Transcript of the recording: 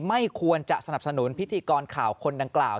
ไม่ควรจะสนับสนุนพิธีกรข่าวคนดังกล่าว